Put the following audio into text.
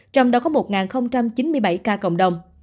trong đó có một chín mươi bảy ca cộng đồng